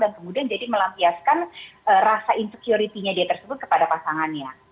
dan kemudian jadi melampiaskan rasa insecurity nya dia tersebut kepada pasangannya